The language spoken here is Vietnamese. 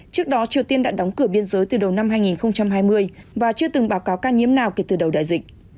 trước đó triều tiên đã đóng cửa biên giới từ đầu năm hai nghìn hai mươi và chưa từng báo cáo ca nhiễm nào kể từ đầu đại dịch